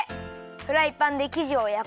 フライパンできじをやこう！